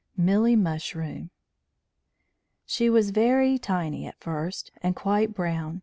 MILLY MUSHROOM She was very tiny at first, and quite brown.